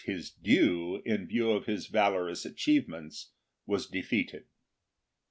4 due in view of his valorous achievements, was defeated.